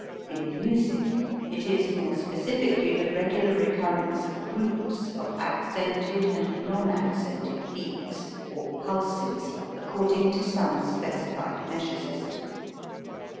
In music it is more specifically the regular recurrence of groups of accented and non accented beats (or pulses) according to some specified measure system.